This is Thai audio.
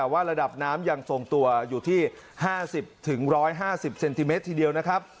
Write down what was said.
ว่าระดับน้ำยังทรงตัวอยู่ที่๕๐๑๕๐เซนติเมตรทีเดียวนะครับ